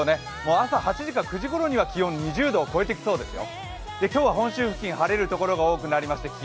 朝８時か９時ごろには気温２０度を超えてきそうですよ。